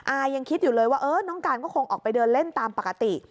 อายังคิดอยู่เลยว่าเออน้องการก็คงออกไปเดินเล่นตามปกติ